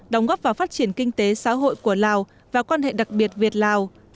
đóng góp vào phát triển kinh tế xã hội của lào và quan hệ đặc biệt việt lào